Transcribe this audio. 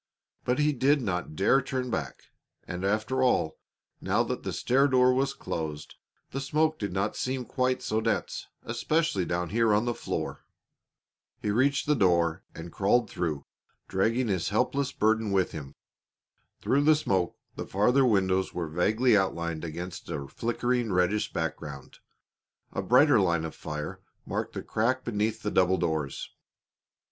But he did not dare turn back, and after all, now that the stair door was closed, the smoke did not seem quite so dense, especially down here on the floor. He reached the door and crawled through, dragging his helpless burden with him. Through the smoke the farther windows were vaguely outlined against a flickering, reddish background. A brighter line of fire marked the crack beneath the double doors.